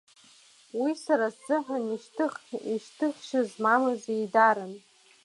Уи сара сзыҳәан шьҭыхшьа змамыз еидаран.